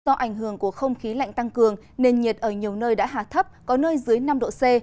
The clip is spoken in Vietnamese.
do ảnh hưởng của không khí lạnh tăng cường nền nhiệt ở nhiều nơi đã hạ thấp có nơi dưới năm độ c